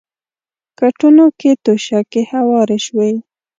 کټونو کې توشکې هوارې شوې.